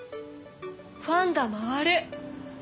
ファンが回る！